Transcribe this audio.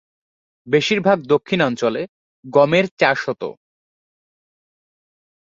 বেশিরভাগ দক্ষিণাঞ্চলে গমের চাষ হত।